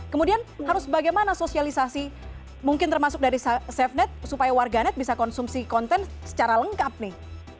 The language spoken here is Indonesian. kemudian harus bagaimana sosialisasi mungkin termasuk dari safenet supaya warganet bisa konsumsi konten secara lengkap nih